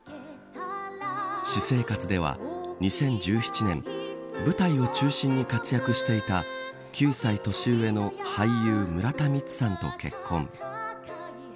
私生活では、２０１７年舞台を中心に活躍していた９歳年上の俳優村田充さんと結婚。